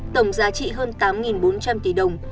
tổng giá trị hơn tám bốn trăm linh tỷ đồng